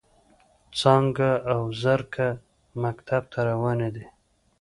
څانګه او زرکه مکتب ته روانې دي.